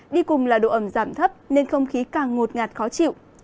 đi cùng là độ ẩm giảm thấp nên không khí càng ngột ngạt khó chịu